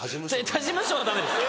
他事務所はダメです